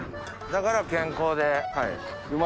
だから健康で。